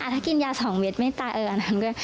ถ้ากินยา๒เม็ดไม่ตายเอออันนั้นด้วย